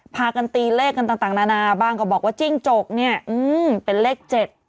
พากันตีเลขกันต่างนานาบ้างก็บอกว่าจิ้งจกเนี่ยเป็นเลข๗